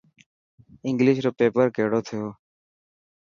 انگلش رو پيپر ڪهڙو ٿيو.